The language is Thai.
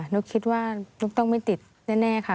ุ๊กคิดว่านุ๊กต้องไม่ติดแน่ค่ะ